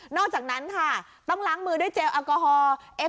อกจากนั้นค่ะต้องล้างมือด้วยเจลแอลกอฮอล์